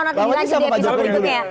nanti dilanjut di episode berikutnya